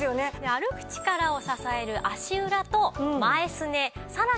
歩く力を支える足裏と前すねさらにですね